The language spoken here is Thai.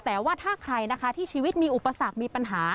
แต่ว่าถ้าใครนะคะที่ชีวิตมีอุปสรรคมีปัญหา